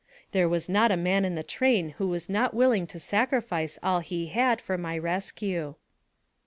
There was not a man in the train who was not will ing to sacrifice all he had for my rescue.